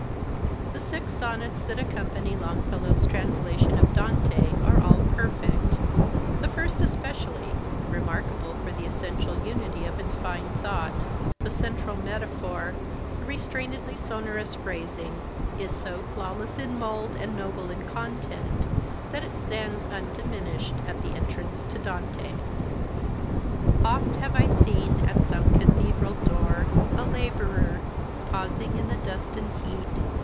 The six sonnets that accompany Longfellow's translation of Dante are all perfect; the first, especially, remarkable for the essential unity of its fine thought, the central metaphor, the restrainedly sonorous phrasing, is so flawless in mould and noble in content that it stands undiminished at the entrance to Dante. Oft have I seen at some cathedral door A labourer, pausing in the dust and heat.